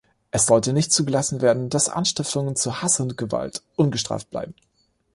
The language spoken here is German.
Es sollte nicht zugelassen werden, dass Anstiftungen zu Hass und Gewalt ungestraft bleiben.